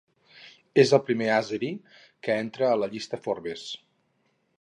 És el primer àzeri que entra a la llista Forbes.